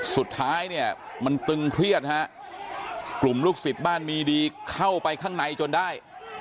สุดท้ายเนี่ยมันตึงเครียดฮะกลุ่มลูกศิษย์บ้านมีดีเข้าไปข้างในจนได้